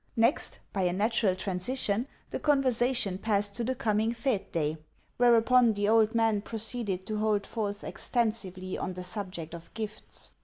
Next, by a natural transition, the conversation passed to the coming fête day; whereupon, the old man proceeded to hold forth extensively on the subject of gifts.